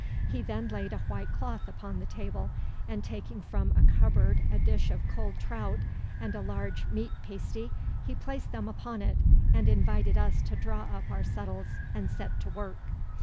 He then laid a white cloth upon the table, and taking from a cupboard a dish of cold trout and a large meat pasty, he placed them upon it, and invited us to draw up our settles and set to work.